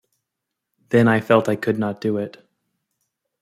Then I felt I could not do it.